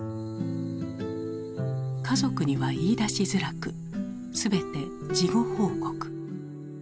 家族には言いだしづらく全て事後報告。